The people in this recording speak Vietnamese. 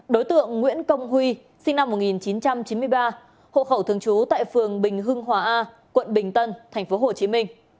đối tượng nguyễn công huy sinh năm một nghìn chín trăm chín mươi ba hộ khẩu thường trú tại phường bình hưng hòa a quận bình tân tp hcm